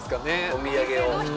お土産を。